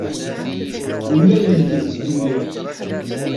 Yenna-yid zgelli.